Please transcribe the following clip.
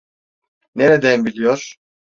Nereden biliyor?